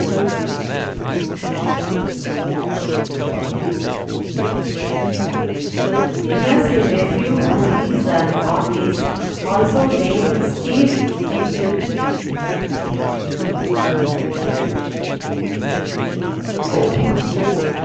He has a nephew who is an artist, also named Steve Ditko.